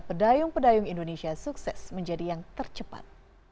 pedayung pedayung indonesia sukses menjadi yang tercepat